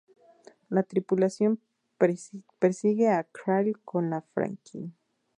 La tripulación persigue a Krall con la "Franklin".